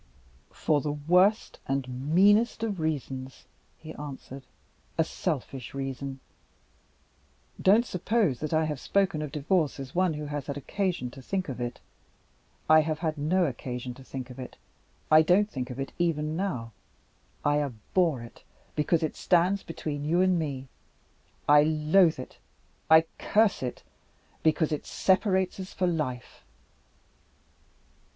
"For the worst and meanest of reasons," he answered "a selfish reason. Don't suppose that I have spoken of Divorce as one who has had occasion to think of it. I have had no occasion to think of it; I don't think of it even now. I abhor it because it stands between you and me. I loathe it, I curse it because it separates us for life."